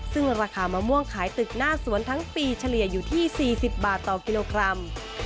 ซึ่งราคามะม่วงขายตึกหน้าสวนทั้งปีเฉลี่ยอยู่ที่๔๐บาทต่อกิโลกรัม